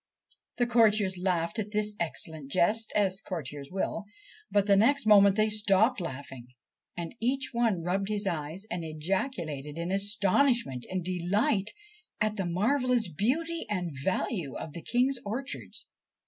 The courtiers laughed at this excellent jest, as courtiers will; but the next moment they stopped laughing, and each one rubbed his eyes and ejaculated in astonishment and delight at the marvellous beauty and value of the King's orchards.